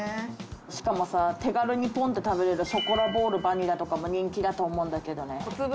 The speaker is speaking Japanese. しかもさ、手軽にポンと食べれるショコラボールバニラとかも人気だと思うんだけどね。